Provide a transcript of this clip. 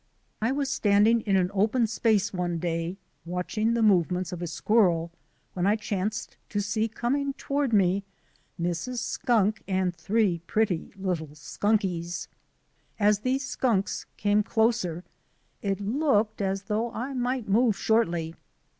I was standing in an open space one day, watch ing the movements of a squirrel, when I chanced WAITING IN THE WILDERNESS 31 to see coming toward me Mrs. Skunk and three pretty little skunkies. As these skunks came closer it looked as though I might move shortly.